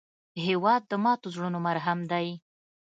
هېواد د ماتو زړونو مرهم دی.